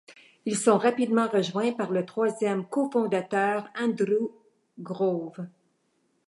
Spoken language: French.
Ils sont rapidement rejoints par le troisième cofondateur Andrew Grove.